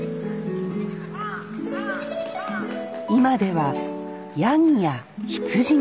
今ではヤギや羊も